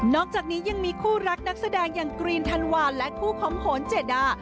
อกจากนี้ยังมีคู่รักนักแสดงอย่างกรีนธันวาลและคู่ของโหนเจดา